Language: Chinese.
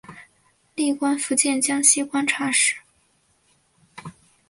历官福建江西观察使。